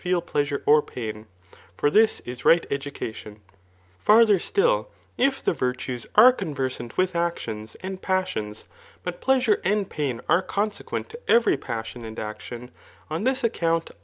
lbe} .pkAsare or pain; for this is right education* Strtbw stiUi if the virtues are Conversant with actions and • pMMiis, but pleasure and pain are consequent to every • Inssbn and action, on this account